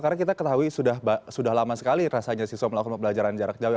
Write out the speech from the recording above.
karena kita ketahui sudah lama sekali rasanya siswa melakukan pembelajaran jarak jauh